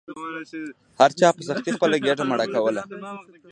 هر چا په سختۍ خپله ګیډه مړه کوله.